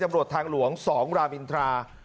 ตำรวจทางหลวง๒รามอินทรา